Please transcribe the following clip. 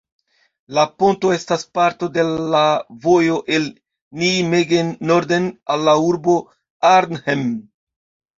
La ponto estas parto de la vojo el Nijmegen norden, al la urbo Arnhem.